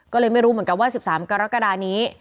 ก็เลยไม่รู้เหมือนกันว่า๑๓กรกฎานี้